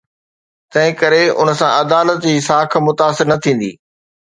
تنهن ڪري ان سان عدالت جي ساک متاثر نه ٿيندي.